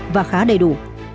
và khá đầy đủ